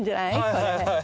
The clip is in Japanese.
これ。